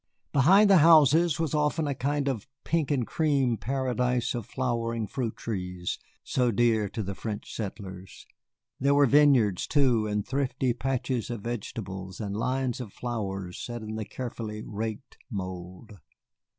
Behind the houses was often a kind of pink and cream paradise of flowering fruit trees, so dear to the French settlers. There were vineyards, too, and thrifty patches of vegetables, and lines of flowers set in the carefully raked mould.